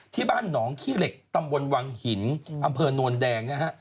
ที่บ้านหนองขี้เหล็กตำบลวังหินอำเภอโนนแดงนะฮะ